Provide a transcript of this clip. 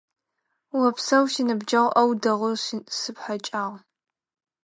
Опсэу, си ныбджэгъу, Ӏоу дэгъоу сыпхьэкӀагъ.